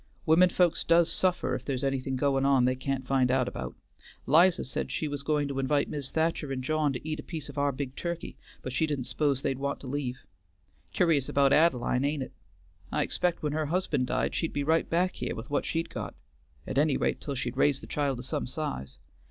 "Women folks does suffer if there's anything goin' on they can't find out about. 'Liza said she was going to invite Mis' Thacher and John to eat a piece o' our big turkey, but she didn't s'pose they'd want to leave. Curi's about Ad'line, ain't it? I expected when her husband died she'd be right back here with what she'd got; at any rate, till she'd raised the child to some size.